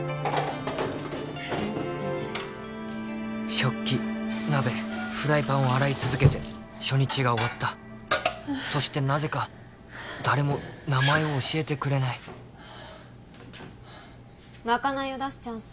食器鍋フライパンを洗い続けて初日が終わったそしてなぜか誰も名前を教えてくれないまかないを出すチャンス